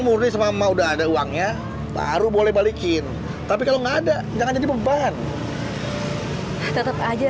murni sama udah ada uangnya baru boleh balikin tapi kalau nggak ada jangan jadi beban tetap aja